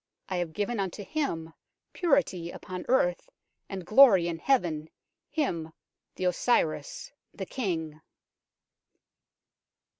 I have given unto him purity upon earth and glory in heaven, him the Osiris, the King."